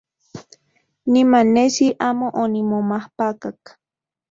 Niman nesi amo omimomajpakak.